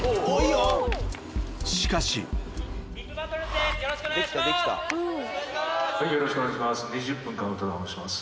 よろしくお願いします。